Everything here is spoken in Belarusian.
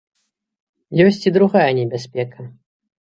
Ёсць і другая небяспека.